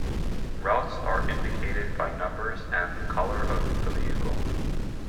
Routes are indicated by numbers and the colour of the vehicle.